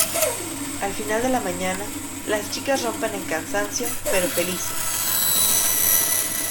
Al final de la mañana, las chicas rompen en cansancio pero felices.